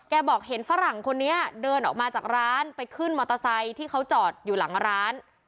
บอกเห็นฝรั่งคนนี้เดินออกมาจากร้านไปขึ้นมอเตอร์ไซค์ที่เขาจอดอยู่หลังร้าน